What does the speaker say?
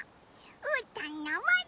うーたんのぼる！